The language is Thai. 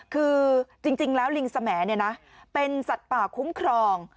คือจริงแล้วลิงสแหมดเป็นสัตว์ป่าคุ้มครอง